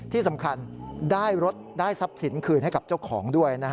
ที่สำคัญได้รถได้ทรัพย์สินคืนให้กับเจ้าของด้วยนะฮะ